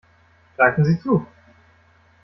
Greifen Sie zu!